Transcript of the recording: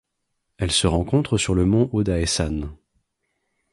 Elle se rencontre sur le mont Odaesan.